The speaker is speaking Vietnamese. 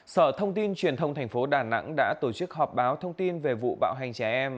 sở thông tin truyền thông thành phố đà nẵng đã tổ chức họp báo thông tin về vụ bạo hành trẻ em